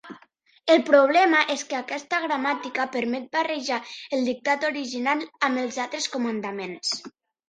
El problema és que aquesta gramàtica permet barrejar el dictat original amb altres comandaments.